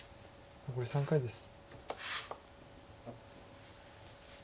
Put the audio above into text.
残り３回です。